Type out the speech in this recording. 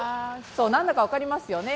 何だか分かりますよね。